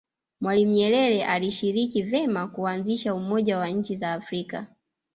mwalimu nyerere alishiriki vema kuanzisha umoja wa nchi za afrika